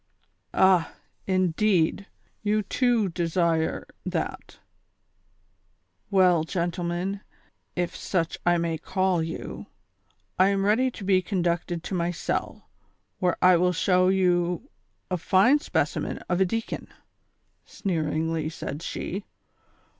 ''Ah ! indeed ; you too desire that ; well, gentlemen, if such I may call you, I am ready to be conducted to my cell, where I will show you a fine specimen of a deacon," sneeringly said slie.